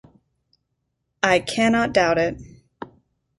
I cannot doubt it.